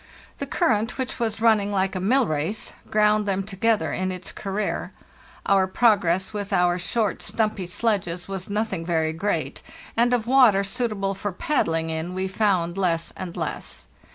The current, which was running like a mill race, ground them together in its career. Our progress with cur short, stumpy sledges was nothing very great, and of water suitable for paddling in we found less and less.